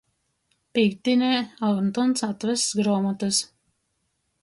Pīktdīnē Ontons atvess gruomotys.